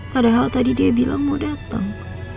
padahal tadi dia bilang mau datang